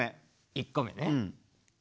１個目ね。